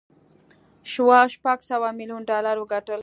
شواب شپږ سوه میلیون ډالر وګټل